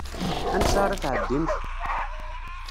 Ansa ara tɛeddimt?